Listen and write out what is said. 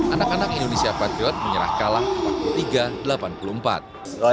anak anak indonesia patriot menyerah kalah empat puluh tiga delapan puluh empat